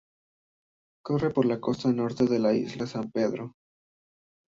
Corre por la costa norte de la isla San Pedro.